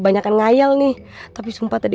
banyak yang ngayal nih tapi sempat tadi